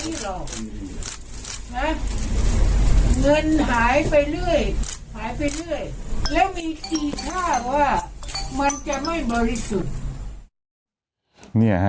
นี่แหละฮะ